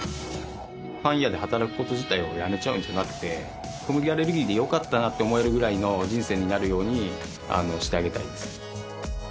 パン屋で働くこと自体をやめちゃうんじゃなくて小麦アレルギーでよかったなって思えるぐらいの人生になるようにしてあげたいです